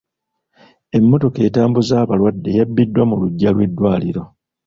Emmotoka etambuza abalwadde yabbiddwa mu luggya lw'eddwaliro.